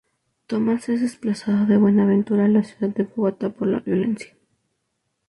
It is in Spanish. Tomás es desplazado de Buenaventura a la ciudad de Bogotá por la violencia.